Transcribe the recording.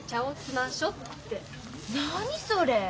何それ！？